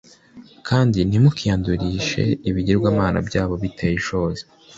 kandi ntimukiyandurishe ibigirwamana byabo biteye ishozi